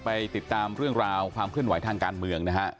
ติดตามเรื่องราวความเคลื่อนไหวทางการเมืองนะฮะ